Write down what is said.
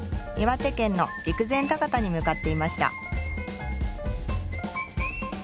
岩手県の陸前高田に向かっていました。